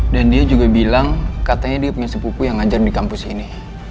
dan dia juga bilang katanya dia punya sepupu yang ngajar di kampus ini